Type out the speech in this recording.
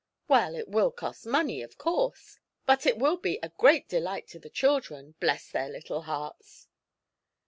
"Well, it will cost money, of course. But it will be a great delight to the children bless their little hearts!"